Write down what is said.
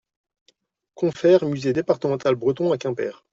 Confer Musée départemental Breton à Quimper.